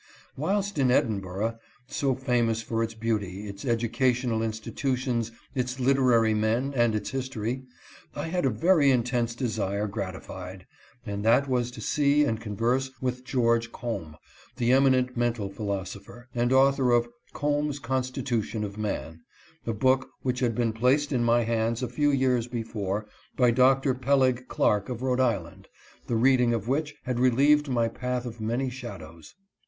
Whilst in Edinburgh, so famous for its beauty, its educational institutions, its literary men, and its history, I had a very intense desire gratified — and that was to see and converse with George Combe, the eminent mental philosopher, and author of " Combe's Constitution of Man," a book which had been placed in my hands a few years before, by Doctor Peleg Clark of Rhode Island, the reading of which had relieved my path of many shadows.